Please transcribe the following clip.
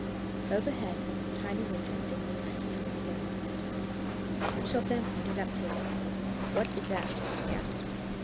Overhead there was a tiny window dimly lighted from within. Chauvelin pointed up to it. "What is that?" he asked.